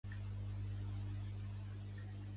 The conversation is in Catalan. Després connecteu-vos al local-host de Windows.